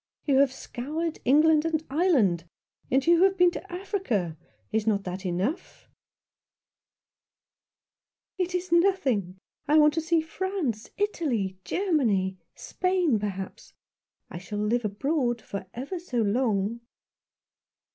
You have scoured England and Ireland, and you have been to Africa. Is not that enough ?" "It is nothing. I want to see France, Italy, Germany — Spain, perhaps. I shall live abroad for ever so long."